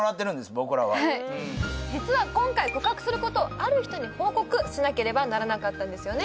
僕らは実は今回告白することをある人に報告しなければならなかったんですよね？